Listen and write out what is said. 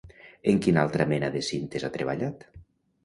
En quina altra mena de cintes ha treballat?